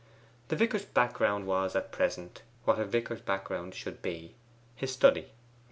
The vicar's background was at present what a vicar's background should be, his study.